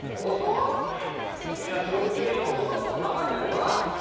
君は仕事中にいつもそんなことを考えているのか！